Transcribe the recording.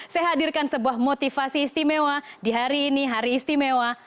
saya hadirkan sebuah motivasi istimewa di hari ini hari istimewa